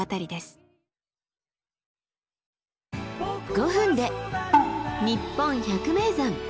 ５分で「にっぽん百名山」。